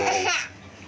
tapi nggak capek